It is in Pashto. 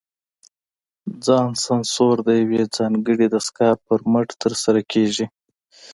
ځان سانسور د یوې ځانګړې دستګاه پر مټ ترسره کېږي.